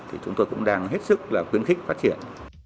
thì chúng tôi cũng đang hết sức là khuyến khích phát triển